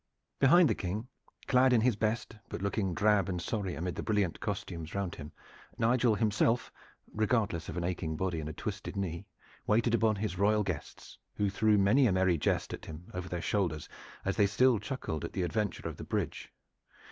Behind the King, clad in his best, but looking drab and sorry amid the brilliant costumes round him, Nigel himself, regardless of an aching body and a twisted knee, waited upon his royal guests, who threw many a merry jest at him over their shoulders as they still chuckled at the adventure of the bridge.